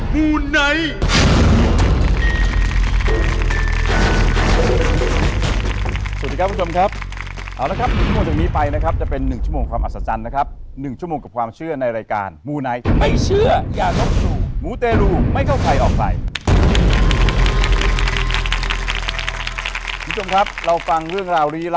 มูนไนท์